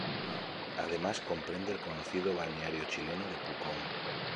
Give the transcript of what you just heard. Además comprende el conocido balneario chileno de Pucón.